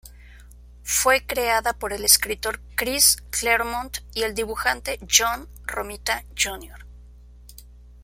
Fue creada por el escritor Chris Claremont y el dibujante John Romita Jr..